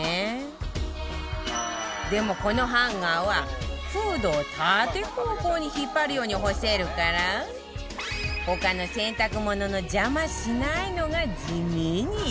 でもこのハンガーはフードを縦方向に引っ張るように干せるから他の洗濯物の邪魔しないのが地味にいいらしいわよ